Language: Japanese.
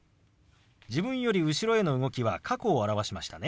自分より後ろへの動きは過去を表しましたね。